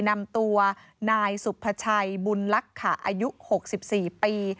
นำตัวนายสุภาชัยบุญลักษะอายุ๖๔ปี